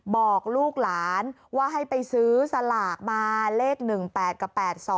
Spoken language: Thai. บอกลูกหลานว่าให้ไปซื้อสลากมาเลข๑๘กับ๘๒